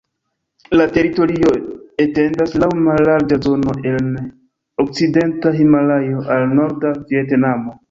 La teritorio etendas laŭ mallarĝa zono el okcidenta Himalajo al norda Vjetnamo.